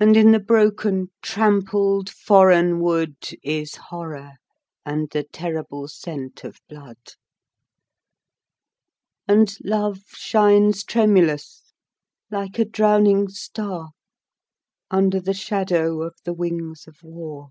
And in the broken, trampled foreign wood Is horror, and the terrible scent of blood, And love shines tremulous, like a drowning star, Under the shadow of the wings of war.